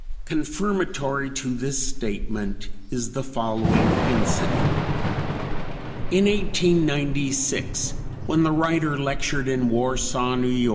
Confirmatory to this statement is the following incident: In 1896, when the writer lectured in Warsaw, N. Y.